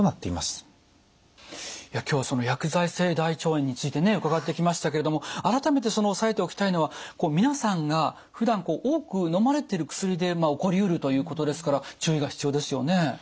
いや今日はその薬剤性大腸炎についてね伺ってきましたけれども改めて押さえておきたいのは皆さんがふだん多くのまれてる薬で起こりうるということですから注意が必要ですよね。